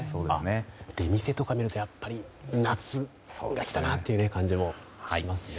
出店とか見るとやっぱり夏が来たなという感じもしますね。